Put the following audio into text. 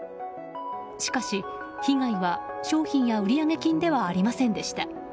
しかし、被害は商品や売上金ではありませんでした。